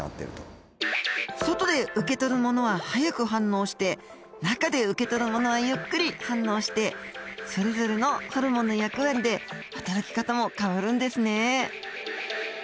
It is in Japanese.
外で受け取るものは早く反応して中で受け取るものはゆっくり反応してそれぞれのホルモンの役割ではたらき方も変わるんですね。